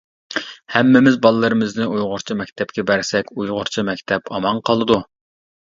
ھەممىمىز باللىرىمىزنى ئۇيغۇرچە مەكتەپكە بەرسەك، ئۇيغۇرچە مەكتەپ ئامان قالىدۇ.